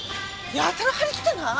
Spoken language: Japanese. やたら張り切ってない？